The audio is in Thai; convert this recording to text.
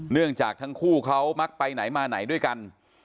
เนื่องจากทั้งคู่เขามักไปไหนมาไหนด้วยกัน